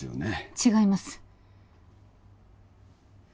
違います